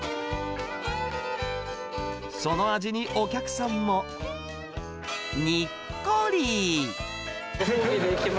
その味にお客さんもにっこり。